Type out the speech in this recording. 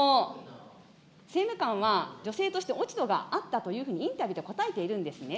政務官は、女性として落ち度があったというふうにインタビューで答えているんですね。